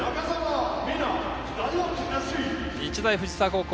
日大藤沢高校